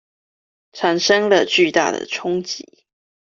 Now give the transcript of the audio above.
產生了巨大的衝擊